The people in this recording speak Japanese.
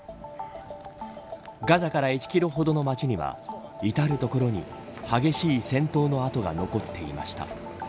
ガザから１キロほどの街には至る所に激しい戦闘の跡が残っていました。